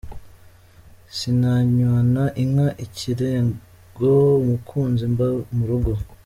Sinanywana inka ikirego Umukinzi mba muroga,.